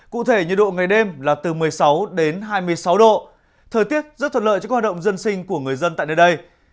cụ thể nhiệt độ ngày đêm là từ một mươi sáu đến hai mươi sáu độ thời tiết rất thuận lợi cho hoạt động dân sinh của người dân tại nơi đây